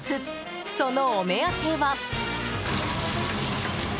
そのお目当ては。